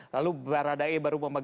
lalu barada e baru membebaskan